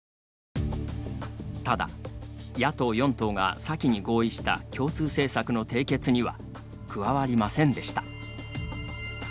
ただ、野党４党が先に合意した共通政策の締結には加わりませんでした。